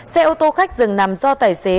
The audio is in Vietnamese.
xe ô tô khách dừng nằm do tài xế